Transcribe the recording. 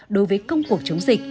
đối với công cuộc chống dịch